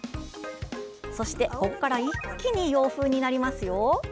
そして、ここから一気に洋風になりますよ！